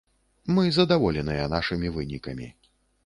Мы задаволеныя нашымі вынікамі.